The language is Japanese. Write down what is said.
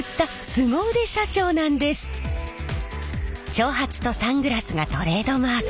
長髪とサングラスがトレードマーク。